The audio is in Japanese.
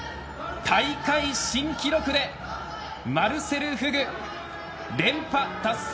大会新記録でマルセル・フグ連覇達成。